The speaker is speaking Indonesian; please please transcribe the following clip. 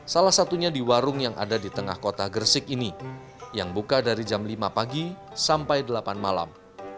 salah satunya di warung yang ada di tengah kota gersik ini yang buka dari jam lima pagi sampai delapan malam